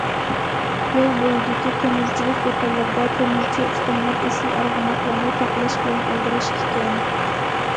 يول بويىدىكى تۆمۈرچىلىك دۇكانلىرىدا تۆمۈرچى ئۇستاملار ئېسىل ئارغىماقلارنى تاقىلاش بىلەن ئالدىراش ئىكەن.